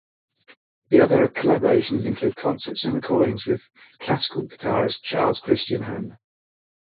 Other collaborations include concerts and recordings with classical guitarist Charles Christian Hammer.